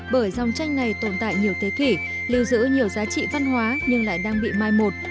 bởi dòng tranh này tồn tại nhiều thế kỷ lưu giữ nhiều giá trị văn hóa nhưng lại đang bị mai một